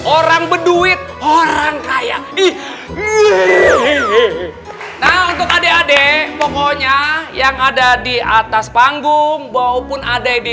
orang beduit orang kaya ih nah untuk adek adek pokoknya yang ada di atas panggung maupun ada di